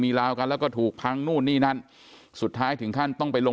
ลาวกันแล้วก็ถูกพังนู่นนี่นั่นสุดท้ายถึงขั้นต้องไปลง